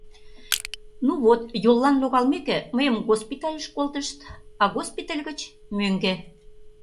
— Ну вот, йоллан логалмеке, мыйым госпитальыш колтышт, а госпиталь гыч — мӧҥгӧ.